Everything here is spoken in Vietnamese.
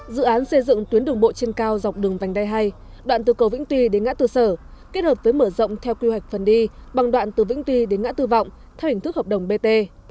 dự án xây dựng tuyến đường bộ trên cao dọc đường vành đai hai đoạn từ cầu vĩnh tuy đến ngã tư sở kết hợp với mở rộng theo quy hoạch phần đi bằng đoạn từ vĩnh tuy đến ngã tư vọng theo hình thức hợp đồng bt